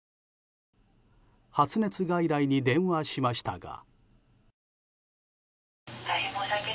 発熱外来に電話しましたが。